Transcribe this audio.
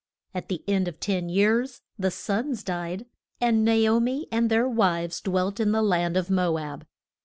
At the end of ten years the sons died, and Na o mi and their wives dwelt in the land of Mo ab.